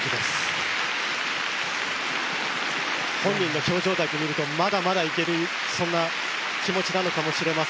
本人の表情だけ見るとまだまだいけるそんな気持ちなのかもしれませんが。